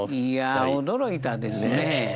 いやあ驚いたですね。